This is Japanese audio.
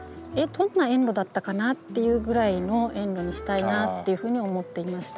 どんな園路だったかなっていうぐらいの園路にしたいなっていうふうに思っていました。